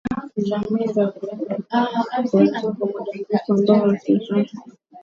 Jamii za walendu na wahema zina mzozo wa muda mrefu ambao ulisababisha vifo vya maelfu ya watu